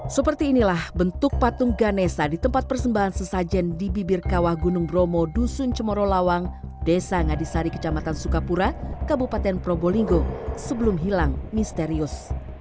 seperti inilah bentuk patung ganesa di tempat persembahan sesajen di bibir kawah gunung bromo dusun cemoro lawang desa ngadisari kecamatan sukapura kabupaten probolinggo sebelum hilang misterius